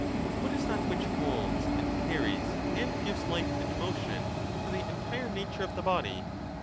What is that which holds and carries and gives hfe and motion to the entire nature of the body?